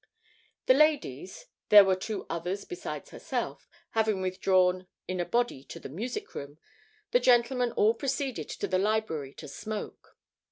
The ladies (there were two others besides herself) having withdrawn in a body to the music room, the gentlemen all proceeded to the library to smoke.